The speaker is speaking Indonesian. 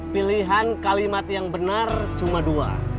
pilihan kalimat yang benar cuma dua